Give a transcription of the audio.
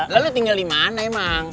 lalu tinggal dimana emang